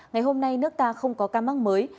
ngày hôm nay nước ta không có ca mắc mới